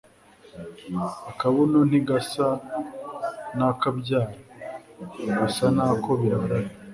Akabuno ntigasa n'akabyara gasa nako birarana.